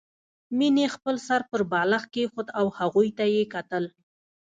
مينې خپل سر پر بالښت کېښود او هغوی ته يې وکتل